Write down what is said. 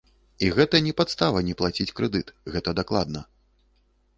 І гэта не падстава не плаціць крэдыт, гэта дакладна.